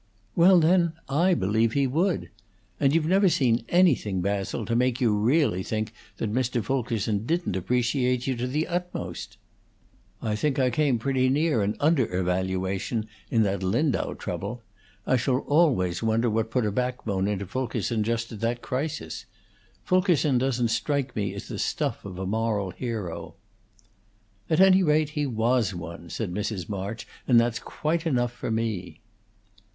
"Well, then, I believe he would. And you've never seen anything, Basil, to make you really think that Mr. Fulkerson didn't appreciate you to the utmost." "I think I came pretty near an undervaluation in that Lindau trouble. I shall always wonder what put a backbone into Fulkerson just at that crisis. Fulkerson doesn't strike me as the stuff of a moral hero." "At any rate, he was one," said Mrs. March, "and that's quite enough for me."